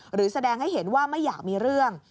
หรือแสดงให้เห็นว่าไม่อยากมีเรื่อง